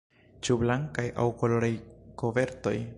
Ĉu blankaj aŭ koloraj kovertoj?